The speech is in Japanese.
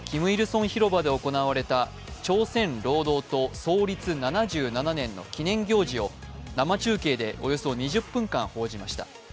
成広場で行われた朝鮮労働党創立７７年の記念行事を生中継でおよそ２０分間報じました。